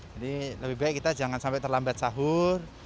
jadi lebih baik kita jangan sampai terlambat sahur